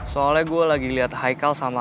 karena saya sedang melihat aikal dan rai